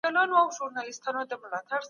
ښوونکی درس تنظيم کاوه او تدريس منظم کېده.